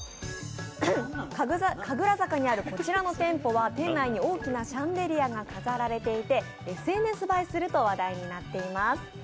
神楽坂にあるこちらの店舗は店内に大きなシャンデリアがあり、ＳＮＳ映えすると話題になっています